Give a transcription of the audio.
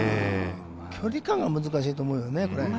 距離感が難しいと思うよね。